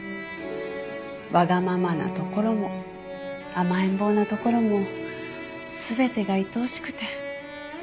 わがままなところも甘えん坊なところも全てがいとおしくて。